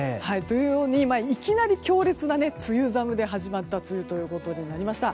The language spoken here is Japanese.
今、いきなり強烈な梅雨寒で始まった梅雨ということになりました。